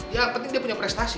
yang penting dia punya prestasi